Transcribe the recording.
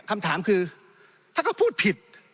คำถามคือถ้าเขาพูดผิด